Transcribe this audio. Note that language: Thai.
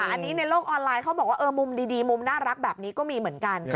อันนี้ในโลกออนไลน์เขาบอกว่ามุมดีมุมน่ารักแบบนี้ก็มีเหมือนกัน